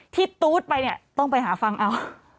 ตู๊ดไปเนี่ยต้องไปหาฟังเอา